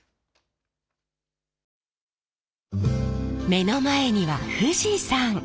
目の前には富士山。